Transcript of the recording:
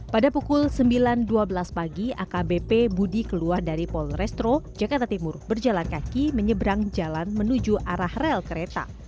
pada pukul sembilan dua belas pagi akbp budi keluar dari polrestro jakarta timur berjalan kaki menyeberang jalan menuju arah rel kereta